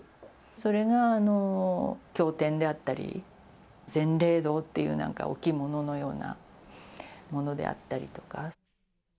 それが教典であったり、善霊堂っていう、なんか置物のようなものであったりとか。